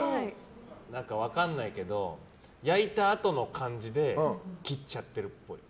分からないけど焼いたあとの感じで切っちゃってるっぽい。